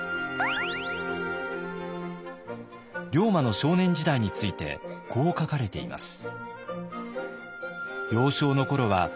龍馬の少年時代についてこう書かれています。